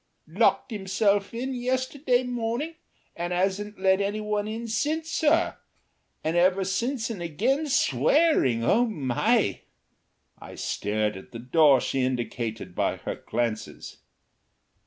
"Locked himself in yesterday morning and 'asn't let any one in since, sir. And ever and again SWEARING. Oh, my!" I stared at the door she indicated by her glances.